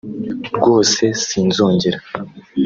rwose sinzongera